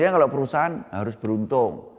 kalau perusahaan harus beruntung